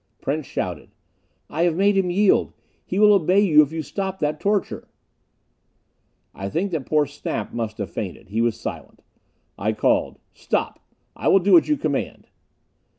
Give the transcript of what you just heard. Prince shouted, "I have made him yield. He will obey you if you stop that torture." I think that poor Snap must have fainted. He was silent. I called, "Stop! I will do what you command."